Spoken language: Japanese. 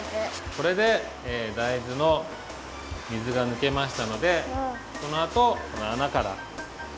これで大豆の水がぬけましたのでこのあとこのあなから。